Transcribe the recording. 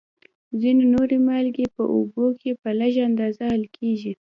ځینې نورې مالګې په اوبو کې په لږ اندازه حل کیږي.